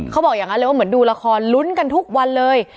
เขาบอกอย่างนั้นเลยว่าเหมือนดูละครลุ้นกันทุกวันเลย